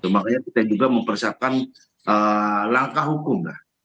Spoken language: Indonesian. makanya kita juga mempersiapkan langkah hukum lah